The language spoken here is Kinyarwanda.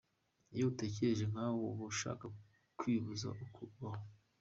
Iyo utekereje nkawe uba ushaka kwibuza uko ubaho.